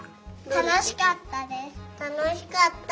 たのしかった。